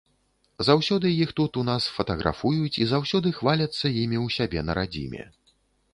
Заўсёды іх тут у нас фатаграфуюць і заўсёды хваляцца імі ў сябе на радзіме.